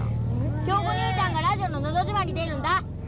恭子姉ちゃんがラジオののど自慢に出るんだ。